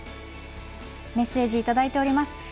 メッセージいただいております。